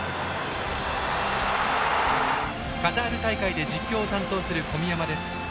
カタール大会で実況を担当する小宮山です。